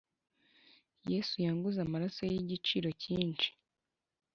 yesu yanguze amaraso ye yigiciro cyinshi